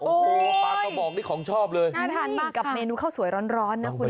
โอ้โหปลากระบอกนี่ของชอบเลยน่าทานเหมือนกับเมนูข้าวสวยร้อนนะคุณ